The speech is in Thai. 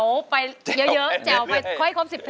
ร้องได้ให้ร้าน